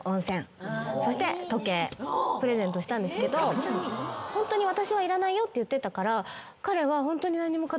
プレゼントしたんですけどホントに私はいらないよって言ってたから彼はホントに。